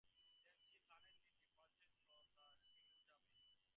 Then she suddenly departed for the Shimazu base.